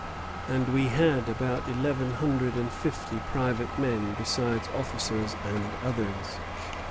And we had about eleven hundred and fifty private men, besides officers and others.